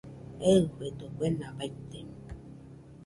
Eɨfedo kuena baite